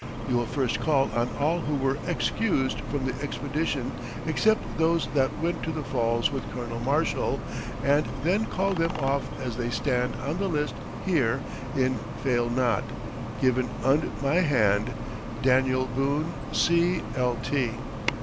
You will first Call on all who [were] Excused from the Expedistion Except those that went to the falls with Col. Marshall and then Call them off as they Stand on the List here in faile not. given und my hand "DANIEL BOONE C Lt."